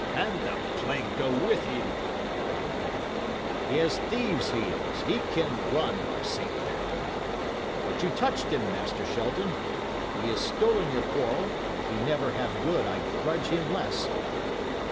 "And the plague go with him!" cried Bennet. "He has thieves' heels; he can run, by St Banbury! But you touched him, Master Shelton; he has stolen your quarrel, may he never have good I grudge him less!"